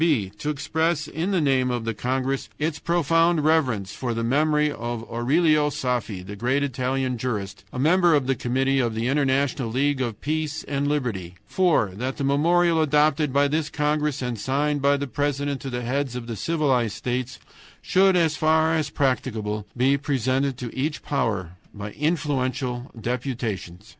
"b. To express in the name of the congress its profound reverence for the memory of Aurelio Saffi, the great Italian jurist, a member of the committee of the International League of Peace and Liberty. "(4) That the memorial adopted by this congress and signed by the president to the heads of the civilized states should, as far as practicable, be presented to each power by influential deputations.